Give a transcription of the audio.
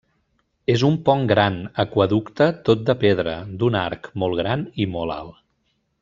És un pont Gran, Aqüeducte tot de pedra, d'un arc, molt gran i molt alt.